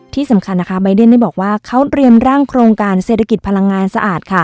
ที่สำคัญนะคะใบเดนได้บอกว่าเขาเตรียมร่างโครงการเศรษฐกิจพลังงานสะอาดค่ะ